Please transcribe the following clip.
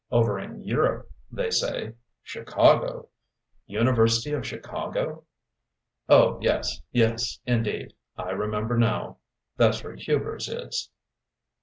Over in Europe, they say Chicago? University of Chicago? Oh, yes yes indeed, I remember now. That's where Hubers is.'"